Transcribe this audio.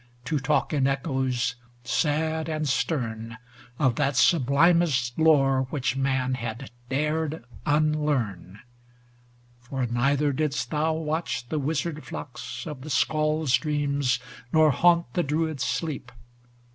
To talk in echoes sad and stern, Of that sublimest lore which man had dared unlearn ? For neither didst thou watch the wizard flocks Of the Scald's dreams, nor haunt the Druid's sleep.